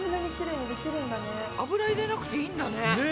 油入れなくていいんだね。ね。